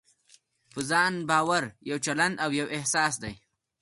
په ځان باور يو چلند او يو احساس دی.